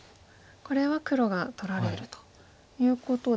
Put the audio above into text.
これは黒が取られるということで。